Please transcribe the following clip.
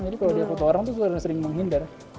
jadi kalau diajak foto sama orang tuh sering menghindar